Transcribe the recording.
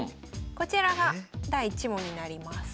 こちらが第１問になります。